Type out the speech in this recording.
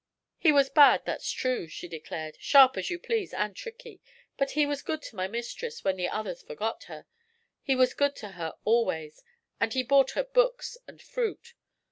'He was bad, that's true,' she declared; 'sharp as you please and tricky; but he was good to my mistress when the others forgot her. He was good to her always, and he bought her books and fruit.